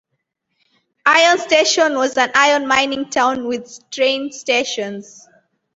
Iron Station was an iron mining town with train stations.